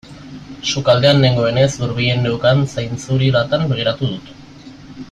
Sukaldean nengoenez hurbilen neukan zainzuri latan begiratu dut.